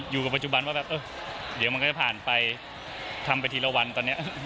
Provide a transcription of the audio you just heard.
อยู่กับปัจจุบันว่าแบบเออเดี๋ยวมันก็จะผ่านไปทำไปทีละวันตอนนี้